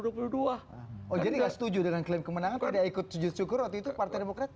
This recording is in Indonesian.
jadi enggak setuju dengan klaim kemenangan pada ikut sujud syukur waktu itu partai demokrat